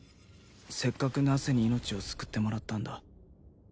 せっかくナッセに命を救ってもらったんだ